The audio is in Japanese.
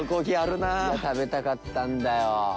いや食べたかったんだよ。